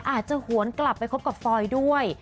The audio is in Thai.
หวนกลับไปคบกับฟอยด้วย